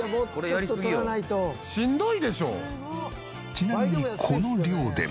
ちなみにこの量でも。